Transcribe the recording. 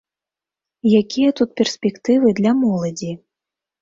Якія тут перспектывы для моладзі?